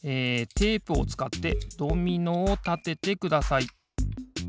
テープをつかってドミノをたててください。